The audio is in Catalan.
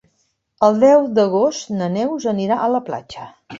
El deu d'agost na Neus anirà a la platja.